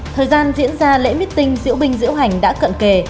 thời gian diễn ra lễ miết tinh diễu binh diễu hành đã cận kề